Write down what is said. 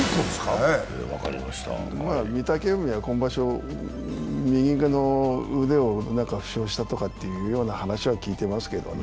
御嶽海は今場所、右側の腕を負傷したという話は聞いてますけど。